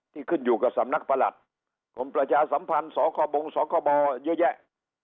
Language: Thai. ขึ้นอยู่กับสำนักประหลัดกรมประชาสัมพันธ์สคบงสคบเยอะแยะ